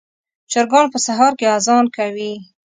چرګان په سهار کې اذان کوي.